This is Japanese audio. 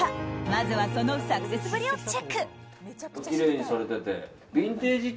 まずはそのサクセスぶりをチェック。